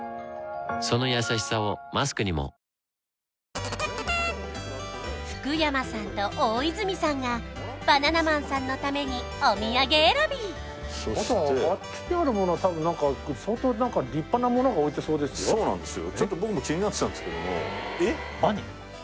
そのやさしさをマスクにも福山さんと大泉さんがバナナマンさんのためにお土産選びそしてあとあっちにある物はたぶん何か相当何か立派な物が置いてそうですよそうなんですよ